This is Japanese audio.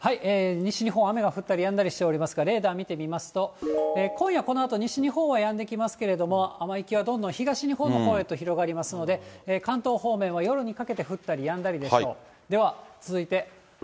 西日本、雨が降ったりやんだりしていますが、レーダー見てみますと、今夜このあと西日本はやんできますけれども、雨域はどんどん東日本へと広がりますので、関東方面は夜にかけて降ったりやんだりでしょう。